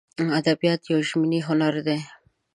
ادبیات یو ژبنی هنر دی.